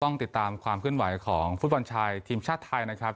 ต้องติดตามความเคลื่อนไหวของฟุตบอลชายทีมชาติไทยนะครับ